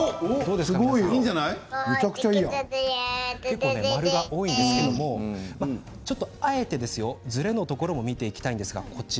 結構〇が多いんですけれどあえて、ずれのところを見ていきましょう。